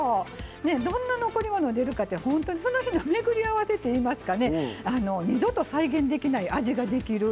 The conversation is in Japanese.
どんな残り物出るかその日の巡り合わせいいますか二度と再現できない味ができる。